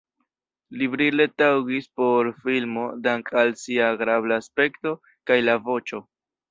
Li brile taŭgis por filmo dank‘ al sia agrabla aspekto kaj la voĉo.